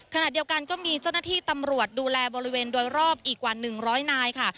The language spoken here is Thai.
ขณะเดียวกันก็มีเจ้าหน้าที่ตำรวจดูแลบริเวณโดยรอบอีกกว่า๑๐๐นายค่ะ